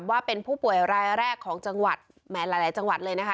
ว่าเป็นผู้ป่วยรายแรกของจังหวัดแหมหลายจังหวัดเลยนะคะ